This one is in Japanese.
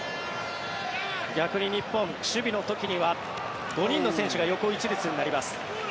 逆に日本、守備の時には５人の選手が横一列になります。